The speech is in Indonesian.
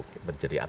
tentu kan saya hafal